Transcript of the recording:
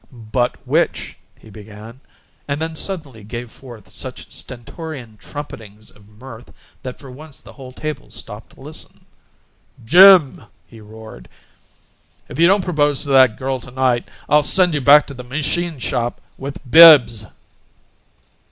"But which " he began, and then suddenly gave forth such stentorian trumpetings of mirth that for once the whole table stopped to listen. "Jim," he roared, "if you don't propose to that girl to night I'll send you back to the machine shop with Bibbs!"